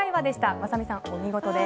雅美さん、お見事です。